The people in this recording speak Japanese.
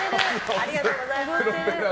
ありがとうございます。